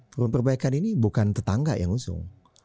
perubahan perbaikan ini bukan tetangga yang ngusung